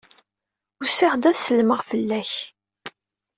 Usiɣ-d ad sellmeɣ fell-ak.